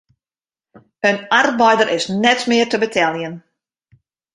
In arbeider is net mear te beteljen.